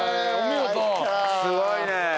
すごいね。